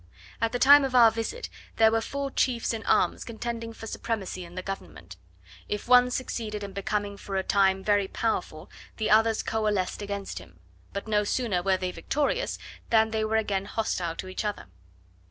At the time of our visit, there were four chiefs in arms contending for supremacy in the government: if one succeeded in becoming for a time very powerful, the others coalesced against him; but no sooner were they victorious, than they were again hostile to each other.